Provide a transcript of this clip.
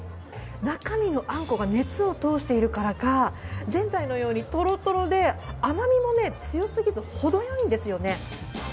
中身のあんこが熱を通しているからか、ぜんざいのようにトロトロで甘みも強過ぎず、ほどよいんですよね。